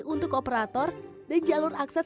untuk operator dan jalur akses